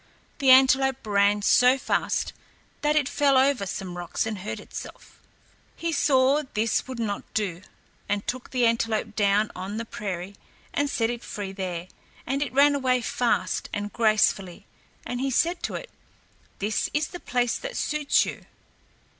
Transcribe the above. The antelope ran so fast that it fell over some rocks and hurt itself. He saw that this would not do, and took the antelope down on the prairie and set it free there, and it ran away fast and gracefully, and he said to it, "This is the place that suits you."